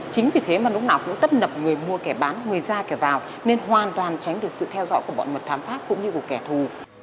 chính vì thế mà lúc nào cũng tất nập người mua kẻ bán người ra kẻ vào nên hoàn toàn tránh được sự theo dõi của bọn mật thám pháp cũng như của kẻ thù